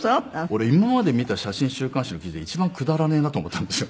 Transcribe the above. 俺今まで見た写真週刊誌の記事で一番くだらねえなと思ったんですよ。